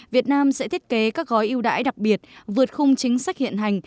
việt nam sẽ thiết kế các gói yêu đãi đặc biệt vượt khung chính sách hiện hành